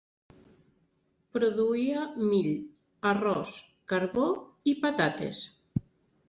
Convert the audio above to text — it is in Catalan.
Produïa mill, arròs, carbó i patates.